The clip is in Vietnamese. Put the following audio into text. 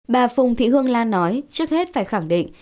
bà phùng thị hương lan nói trước hết phải khẳng định